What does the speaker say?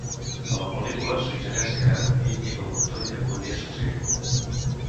A la pel·lícula, suggereix que Inigo Montoya podria succeir-lo.